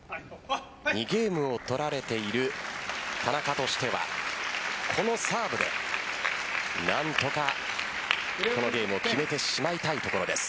２ゲームを取られている田中としてはこのサーブで何とかこのゲームを決めてしまいたいところです。